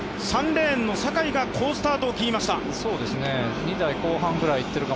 ３レーンの坂井が好スタートを切りました。